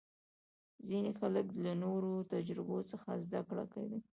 ځینې خلک له نورو تجربو څخه زده کړه کوي.